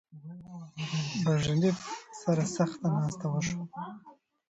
برژنیف سره سخته ناسته وشوه.